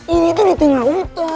ini tuh di tengah utuh